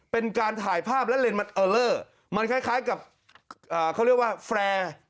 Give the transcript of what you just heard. เป็นการถ่ายภาพและเลนมันเออเลอร์มันคล้ายกับเขาเรียกว่าแฟร์